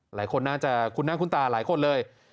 หลายคนน่าจะคุ้นหน้าคุ้นตาหลายคนเลย